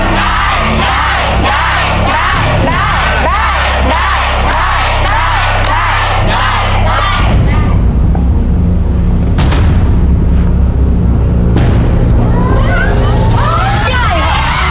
ทำได้ได้ได้ได้ได้ได้ได้ได้ได้ได้ได้